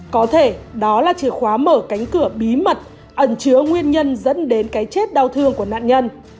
có thể đó là chìa khóa mở cánh cửa bí mật ẩn chứa nguyên nhân dẫn đến cái chết đau thương của nạn nhân